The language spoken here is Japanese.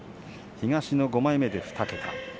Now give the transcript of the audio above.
東の５枚目で２桁。